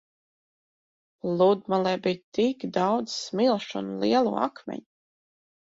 Pludmalē bija tik daudz smilšu un lielo akmeņu.